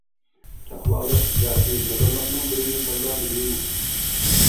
تەقۋالىق ياكى نادانلىقنىڭ بىرىنى تاللا دېمەيدۇ.